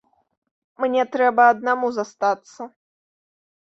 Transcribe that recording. Мне трэба аднаму застацца.